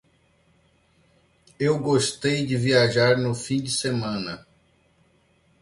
Eu gostei de viajar no fim de semana